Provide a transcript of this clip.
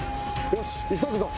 よし急ぐぞ。